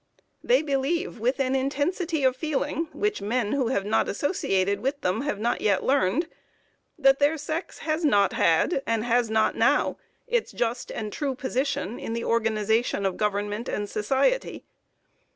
They believe, with an intensity of feeling which men who have not associated with them have not yet learned, that their sex has not had, and has not now, its just and true position in the organization of government and society.